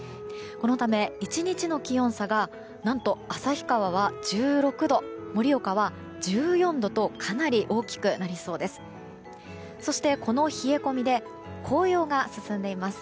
このため、１日の気温差が何と、旭川は１６度森岡は１４度とかなり大きくなりそうです。